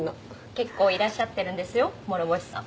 結構いらっしゃってるんですよ諸星さん。